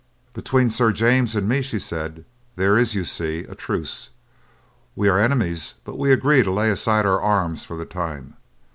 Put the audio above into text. "Between Sir James and me," she said, "there is, you see, a truce. We are enemies, but, we agree to lay aside our arms for the time.